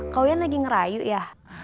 kau wian lagi ngerayu ya